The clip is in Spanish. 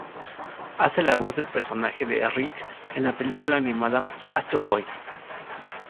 Hace la voz del personaje de Rick en la película animada Astro Boy.